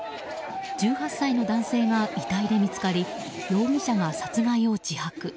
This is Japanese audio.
１８歳の男性が遺体で見つかり容疑者が殺害を自白。